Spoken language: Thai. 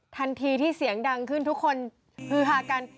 ทันทีที่เสียงดังขึ้นทุกคนฮือฮากัน